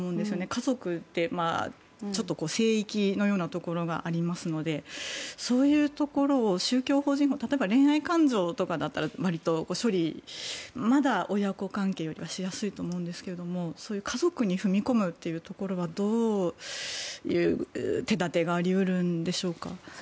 家族って、聖域のようなところがありますのでそういうところを、宗教法人法例えば恋愛感情とかだったら処理がまだ、親子関係よりはしやすいと思うんですが家族に踏み込むというところはどういう手立てがあり得るんでしょうか。